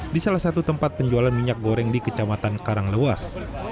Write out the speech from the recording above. di salah satu tempat penjualan minyak goreng di kecamatan karanglewas